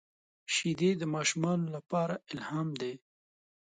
شیدې د ماشوم لپاره الهام دي